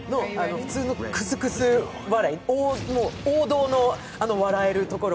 普通のくすくす笑い、王道の笑えるところ。